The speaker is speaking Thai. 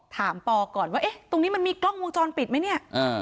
ปอก่อนว่าเอ๊ะตรงนี้มันมีกล้องวงจรปิดไหมเนี่ย